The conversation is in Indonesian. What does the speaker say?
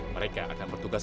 mereka akan bertugas